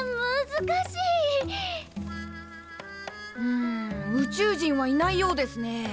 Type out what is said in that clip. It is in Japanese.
ん宇宙人はいないようですねえ。